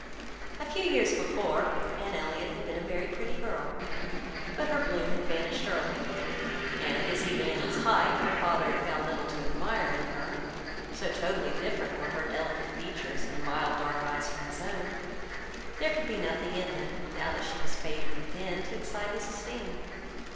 A few years before, Anne Elliot had been a very pretty girl, but her bloom had vanished early; and as even in its height, her father had found little to admire in her, (so totally different were her delicate features and mild dark eyes from his own), there could be nothing in them, now that she was faded and thin, to excite his esteem.